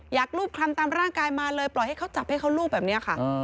รูปคลำตามร่างกายมาเลยปล่อยให้เขาจับให้เขารูปแบบนี้ค่ะ